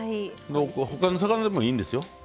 他の魚でもいいんですよ。